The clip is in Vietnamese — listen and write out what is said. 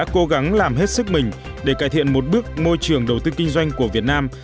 cố gắng làm hết sức mình để cải thiện một bước môi trường đầu tư kinh doanh của việt nam